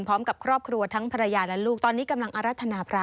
พร้อมกับครอบครัวทั้งภรรยาและลูกตอนนี้กำลังอรรถนาพระ